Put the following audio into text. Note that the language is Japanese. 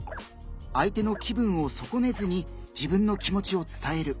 相手の気分を損ねずに自分の気持ちを伝える。